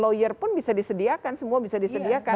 lawyer pun bisa disediakan semua bisa disediakan